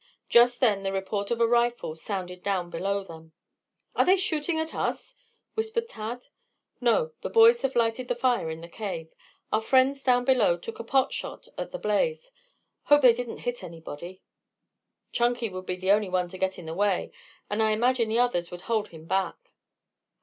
Just then the report of a rifle sounded down below them. "Are they shooting at us?" whispered Tad. "No; the boys have lighted the fire in the cave. Our friends down below took a pot shot at the blaze. Hope they didn't hit anybody." "Chunky would be the only one to get in the way, and I imagine the others would hold him back."